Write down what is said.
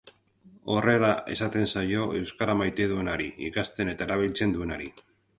Horrela esaten zaio euskara maite duenari, ikasten eta erabiltzen duenari.